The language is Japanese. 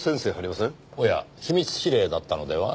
おや秘密指令だったのでは？